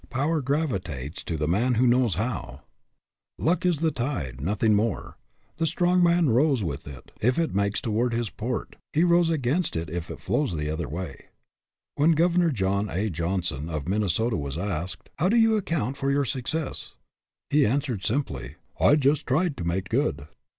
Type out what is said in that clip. Power gravitates to the man who knows how. " Luck is the tide, nothing more. The strong man rows with it if it makes toward his port; he rows against it if it flows the other way." 222 WHAT HAS LUCK DONE? When Governor John A. Johnson, of Min nesota, was asked, " How do you account for your success?" he answered, simply, "I just tried to make good."